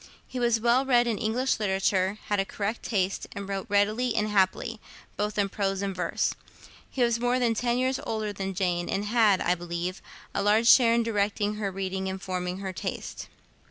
He was well read in English literature, had a correct taste, and wrote readily and happily, both in prose and verse. He was more than ten years older than Jane, and had, I believe, a large share in directing her reading and forming her taste.